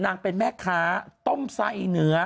นางเป็นแม่ค้าต้มไส้อีเหนือ